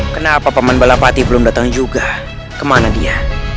kenapa pemain balapati belum datang juga kemana dia